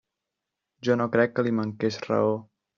Jo no crec que li manqués raó.